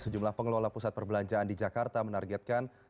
sejumlah pengelola pusat perbelanjaan di jakarta menargetkan